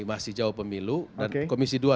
masih jauh pemilu dan komisi dua